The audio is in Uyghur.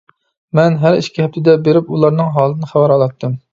مەن ھەر ئىككى ھەپتىدە بېرىپ ئۇلارنىڭ ھالىدىن خەۋەر ئالاتتىم.